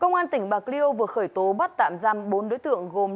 công an tỉnh bạc liêu vừa khởi tố bắt tạm giam bốn đối tượng gồm